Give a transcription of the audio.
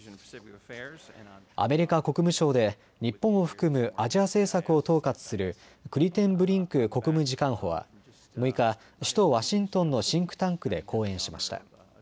アメリカ国務省で日本を含むアジア政策を統括するクリテンブリンク国務次官補は６日、首都ワシントンのシンクタンクで講演しました。